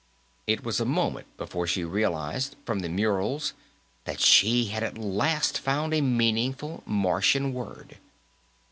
It was a moment before she realized, from the murals, that she had at last found a meaningful Martian word.